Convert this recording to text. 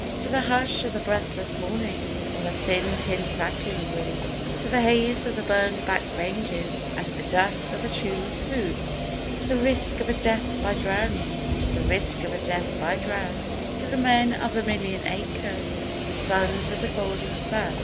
To the hush of the breathless morning On the thin, tin, crackling roofs, To the haze of the burned back ranges And the dust of the shoeless hoofs To the risk of a death by drowning, To the risk of a death by drouth To the men of a million acres, To the Sons of the Golden South.